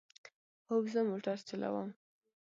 هو، زه موټر چلوم